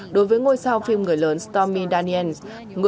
đối với ngôi sao phim người lớn